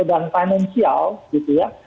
dan financial gitu ya